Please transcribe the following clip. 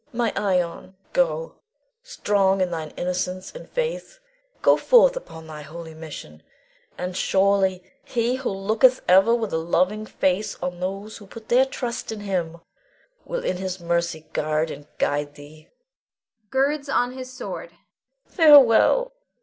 Iantha. My Ion, go, strong in thine innocence and faith, go forth upon thy holy mission; and surely He who looketh ever with a loving face on those who put their trust in Him, will in His mercy guard and guide thee [girds on his sword]. Farewell!